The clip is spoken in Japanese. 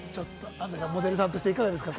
モデルさんとしていかがですか？